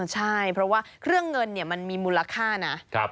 ใช่เพราะว่าเครื่องเงินมันมีมูลค่านะ